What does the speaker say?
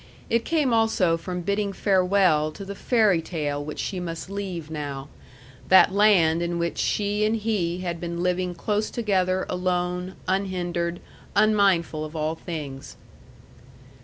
It came also from bidding farewell to the fairy tale which she must leave now; that land in which she and he had been living close together alone, unhindered, unmindful of all things.